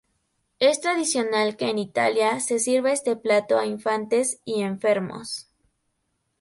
Es tradicional que en Italia se sirva este plato a infantes y enfermos.